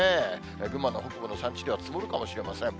群馬の北部の山地では積もるかもしれません。